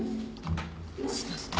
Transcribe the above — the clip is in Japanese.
すいません。